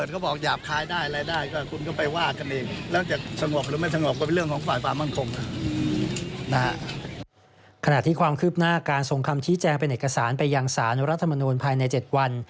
ขณะที่ความคืบหน้าการส่งคำชี้แจงเป็นเอกสารไปยังสารรัฐมนูลภายใน๗วัน